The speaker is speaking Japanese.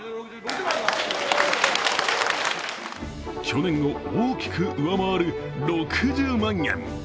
去年を大きく上回る６０万円。